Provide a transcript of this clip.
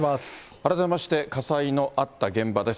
改めまして、笠井のあった現場です。